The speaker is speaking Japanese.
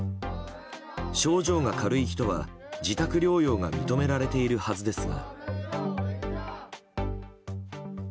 症状が軽い人は自宅療養が認められているはずですが。